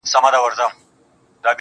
o راوړم سکروټې تر دې لویي بنگلي پوري.